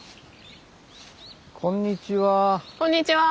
こんにちは。